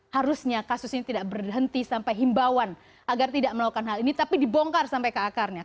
harusnya kasus ini tidak berhenti sampai himbawan agar tidak melakukan hal ini tapi dibongkar sampai ke akarnya